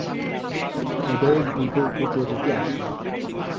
এদের দুটো উপপ্রজাতি আছে।